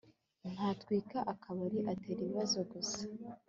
ntatwika akabari atera ibibazo gusa